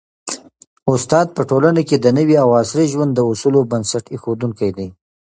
استاد په ټولنه کي د نوي او عصري ژوند د اصولو بنسټ ایښودونکی دی.